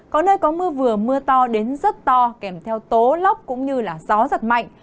có nơi có mưa vừa mưa to đến rất to kèm theo tố lốc cũng như gió giật mạnh